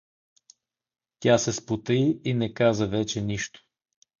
Тя се спотаи и не каза вече нищо.